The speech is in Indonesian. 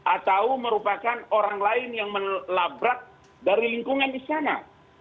atau merupakan orang lain yang melabrak dari lingkungan di sana